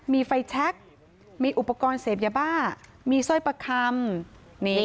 มีไฟแชคมีอุปกรณ์เสพยาบ้ามีสร้อยประคำ